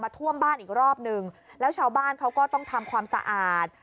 ท่วมบ้านอีกรอบนึงแล้วชาวบ้านเขาก็ต้องทำความสะอาด